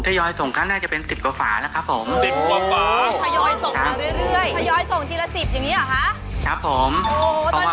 ดื่มเป็นประจำทุกวันเลยอย่างน้ะใช่ไหม